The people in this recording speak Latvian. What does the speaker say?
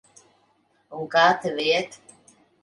Un kā tev iet?